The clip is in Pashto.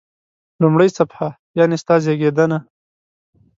لومړی صفحه: یعنی ستا زیږېدنه.